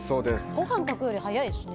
ご飯炊くより早いですね。